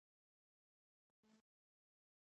رسۍ که ښکلې هم وي، د کار ده.